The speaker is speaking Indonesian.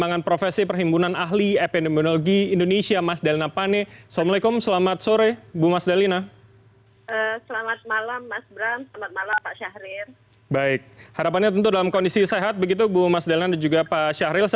assalamualaikum selamat sore pak syahril